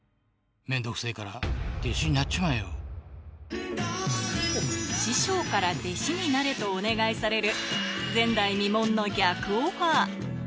めんどくせぇから、弟子になっち師匠から、弟子になれとお願いされる、前代未聞の逆オファー。